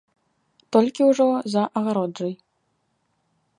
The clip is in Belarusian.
Толькі ўжо за агароджай.